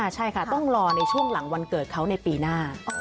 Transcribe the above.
ใช่ค่ะต้องรอในช่วงหลังวันเกิดเขาในปีหน้า